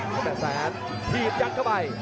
หุดกับแสงทีมยังเพลินเข้าไป